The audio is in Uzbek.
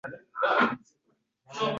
ya’ni, mohiyatan olganda, yer uniki emas.